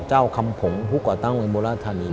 เจ้าคำผมฮุกอตังอุบลราธานี